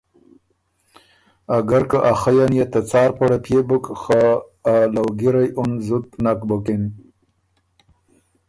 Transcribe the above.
اګر که ا خئ ان يې ته څار پړپئے بُک خه ا لؤګِرئ اُن زُت نک بُکِن